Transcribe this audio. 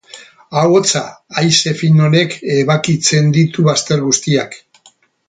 Hau hotza!, haize fin honek ebakitzen ditu bazter guztiak.